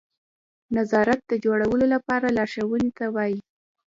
نظارت د جوړولو لپاره لارښوونې ته وایي.